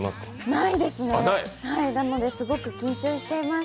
ないですね、なのですごく緊張しています。